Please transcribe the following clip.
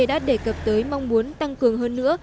đã đề cập tới mong muốn tăng cường hơn nữa